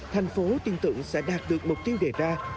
thành phố tiên tượng sẽ đạt được mục tiêu đề ra